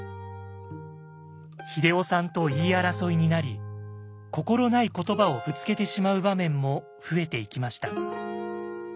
英夫さんと言い争いになり心ない言葉をぶつけてしまう場面も増えていきました。